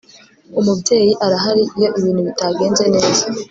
Umubyeyi arahari iyo ibintu bitagenze neza